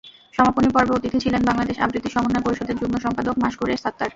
সমাপনী পর্বে অতিথি ছিলেন বাংলাদেশ আবৃত্তি সমন্বয় পরিষদের যুগ্ম সম্পাদক মাসকুর-এ-সাত্তার।